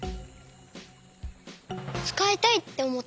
つかいたいっておもったから。